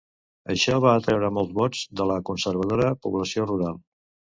Això va atreure molts vots de la conservadora població rural.